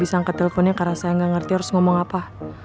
ya mereka udah selesai di bergnombor ga